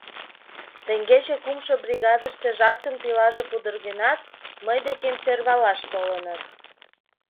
— Теҥгече кумшо бригадыште жаткын пилаже пудыргенат, мый декем сӧрвалаш толыныт.